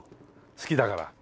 好きだから。